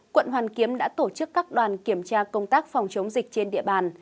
quận hoàn kiếm đã tổ chức các đoàn kiểm tra công tác phòng chống dịch trên địa bàn